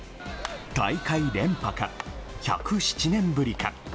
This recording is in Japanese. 大会連覇か、１０７年ぶりか。